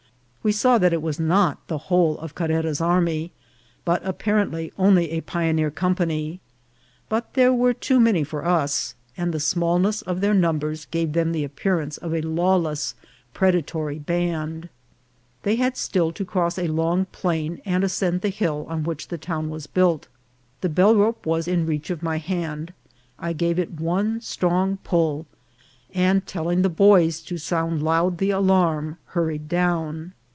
We saw that it was not the whole of Carrera's army, but apparently only a pioneer company ; but they were too many for us, and the smallness of their numbers gave them the appearance of a lawless predatory band. They had still to cross a long plain and ascend the hill on which the town was built. The bellrope was in reach of my hand ; I gave it one strong pull, and telling the boys to sound loud the alarm, hurried down.